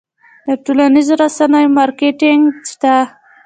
د ټولنیزو رسنیو مارکیټینګ شته؟